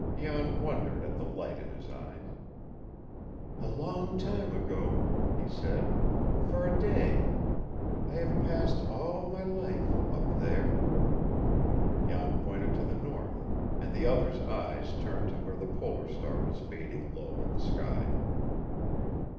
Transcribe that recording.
Jan wondered at the light in his eyes. "A long time ago," he said, "for a day. I have passed all of my life up there." Jan pointed to the north, and the other's eyes turned to where the polar star was fading low in the sky.